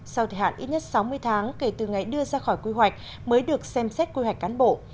sau thời hạn ít nhất sáu mươi tháng kể từ ngày đưa ra khỏi quy hoạch mới được xem xét quy hoạch cán bộ